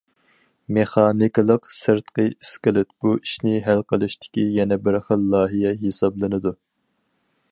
« مېخانىكىلىق سىرتقى ئىسكىلىت» بۇ ئىشنى ھەل قىلىشتىكى يەنە بىر خىل لايىھە ھېسابلىنىدۇ.